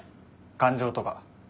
感情とか。